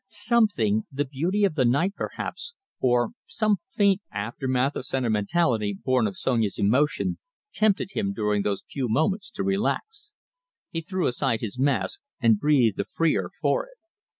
Something the beauty of the night, perhaps, or some faint aftermath of sentimentality born of Sonia's emotion tempted him during those few moments to relax. He threw aside his mask and breathed the freer for it.